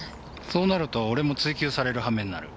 そうなると俺も追及されるはめになる。